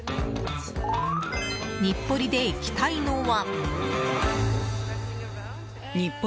日暮里で行きたいのは。